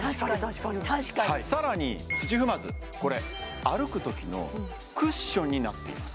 確かに確かにはいさらに土踏まずこれ歩く時のクッションになっています